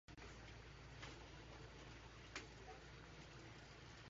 Informal tours of the Kehlsteinhaus are available to be booked through the official website.